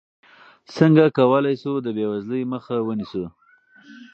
څنګه کولی شو د بېوزلۍ مخه ونیسو؟